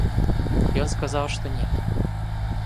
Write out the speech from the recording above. Ён сказаў, што не.